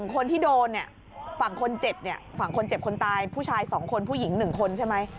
คนที่โดนเนี่ยฝั่งคนเจ็บเนี่ยฝั่งคนเจ็บคนตายผู้ชาย๒คนผู้หญิง๑คนใช่ไหม